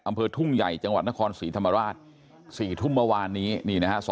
อำเภอทุ่งใหญ่จังหวัดนครสีธรรมราช